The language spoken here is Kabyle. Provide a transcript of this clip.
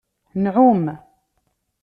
Nɛum.